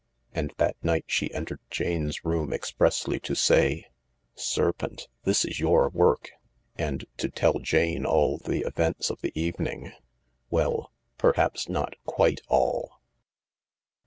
And that night she entered Jane's room expressly to say: 11 Serpent, this is your work," and to tell Jane all the events of the evening. Well — perhaps not quite all.